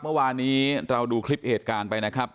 เมื่อวานนี้เราดูคลิปเหตุการณ์ไปนะครับ